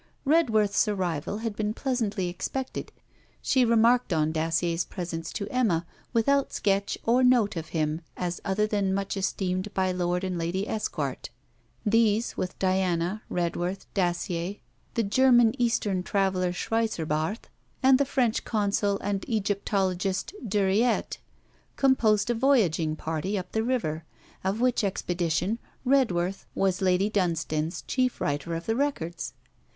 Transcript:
Redworth's arrival had been pleasantly expected. She remarked on Dacier's presence to Emma, without sketch or note of him as other than much esteemed by Lord and Lady Esquart. These, with Diana, Redworth, Dacier, the German Eastern traveller Schweizerbarth, and the French Consul and Egyptologist Duriette, composed a voyaging party up the river, of which expedition Redworth was Lady Dunstane's chief writer of the records.